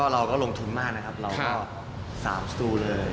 เราก็ลงทุ่งหมานะครับเรา๓ตู้เลย